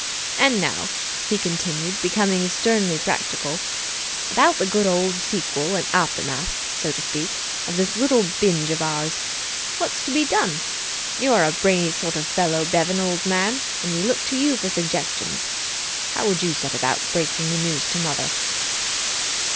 And now," he continued, becoming sternly practical, "about the good old sequel and aftermath, so to speak, of this little binge of ours. What's to be done. You're a brainy sort of feller, Bevan, old man, and we look to you for suggestions. How would you set about breaking the news to mother?"